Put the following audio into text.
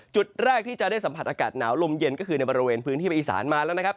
จุดแรกที่จะได้สัมผัสอากาศหนาวลมเย็นก็คือในบริเวณพื้นที่ภาคอีสานมาแล้วนะครับ